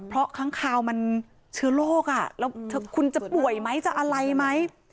เพราะค้างคาวมันเชื้อโรคแล้วคุณจะป่วยไหมจะอะไรไหม